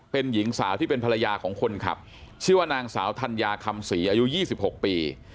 เป็นหญิงสาวที่เป็นภรรยาของคนขับชื่อว่านางสาวธัญญาคำศรีอายุ๒๖ปี